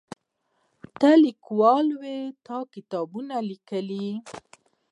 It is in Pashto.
ته لیکوال وې تا کتابونه لیکل.